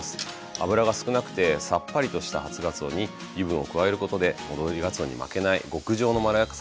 脂が少なくてさっぱりとした初がつおに油分を加えることで戻りがつおに負けない極上のまろやかさに仕上げます。